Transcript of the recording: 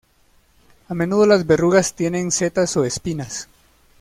A menudo las verrugas tienen setas o espinas.